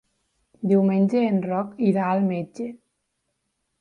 Diumenge en Roc irà al metge.